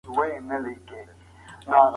یو بل ته د خیر لاس ورکړئ.